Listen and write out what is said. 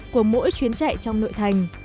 của mỗi chuyến chạy trong nội thành